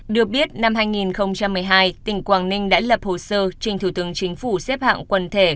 được biết năm hai nghìn một mươi hai tỉnh quảng ninh đã lập hồ sơ trình thủ tướng chính phủ xếp hạng quần thể